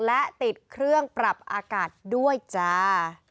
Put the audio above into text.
และติดเครื่องปรับอากาศด้วยจ้า